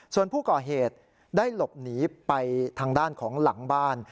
ส่วนผู้ก่อเหตุได้หลบหนีไปทางด้านของหลังบ้าน